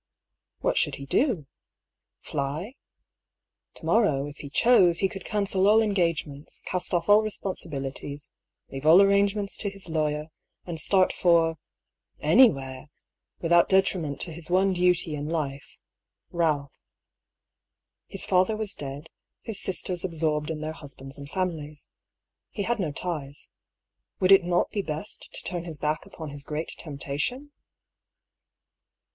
What should he do ? Fly ? To morrow, if he chose, he could cancel all engagements, cast off all responsibil ities, leave all arrangements to his lawyer, and start for — anywhere — ^without detriment to his one duty in life — Balph. His father was dead, his sisters absorbed in their husbands and families. He had no ties. Would it not be best to turn his back upon his great tempta tion?